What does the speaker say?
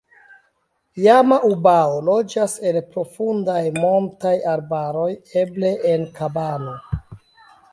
Jama-ubao loĝas en profundaj montaj arbaroj, eble en kabano.